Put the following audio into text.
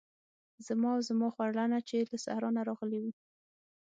زه او زما خورلنډه چې له صحرا نه راغلې وو.